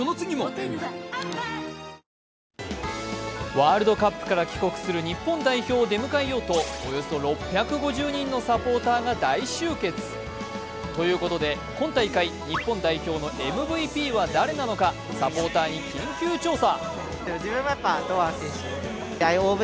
ワールドカップから帰国する日本代表を出迎えようとおよそ６５０人のサポーターが大集結ということで今大会、日本代表のＭＶＰは誰なのか、サポーターに緊急調査。